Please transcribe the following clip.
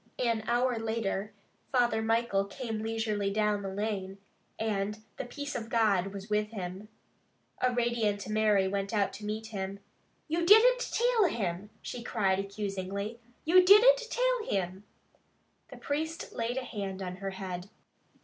An hour later Father Michael came leisurely down the lane, and the peace of God was with him. A radiant Mary went out to meet him. "You didn't till him!" she cried accusingly. "You didn't till him!" The priest laid a hand on her head.